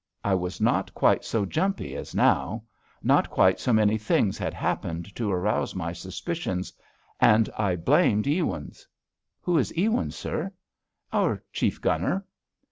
I was not quite so jumpy as now. Not quite so many things had happened to arouse my suspicions, and I blamed Ewins." "Who is Ewins, sir?" "Our chief gunner."